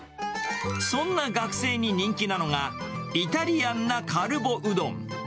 そんな学生に人気なのが、イタリアンなカルボうどん。